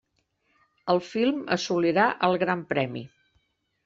El film assolirà el Gran Premi.